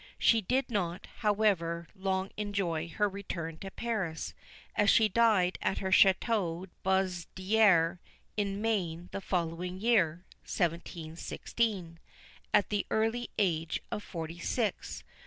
She did not, however, long enjoy her return to Paris, as she died at her Château de la Buzardiere in Maine the following year (1716), at the early age of forty six.